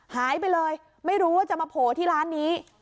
หายไปเลยไม่รู้ว่าจะมาโผล่ที่ร้านนี้